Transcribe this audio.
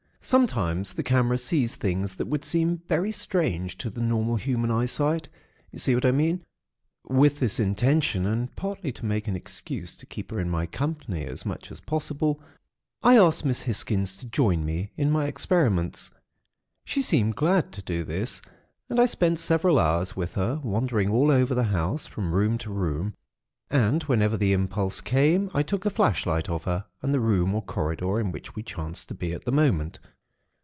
Sometimes the camera sees things that would seem very strange to normal human eyesight. You see what I mean? With this intention, and partly to make an excuse to keep her in my company as much as possible, I asked Miss Hisgins to join me in my experiments. She seemed glad to do this, and I spent several hours with her, wandering all over the house, from room to room; and whenever the impulse came, I took a flashlight of her and the room or corridor in which we chanced to be at the moment.